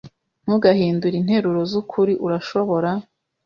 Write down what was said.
Ntugahindure interuro zukuri. Urashobora,